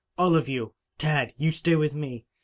"All of you! Tad, you stay with me.